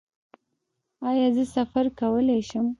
ایا زه سفر کولی شم؟